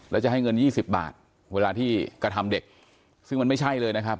แล้วจะให้เงิน๒๐บาทเวลาที่กระทำเด็กซึ่งมันไม่ใช่เลยนะครับ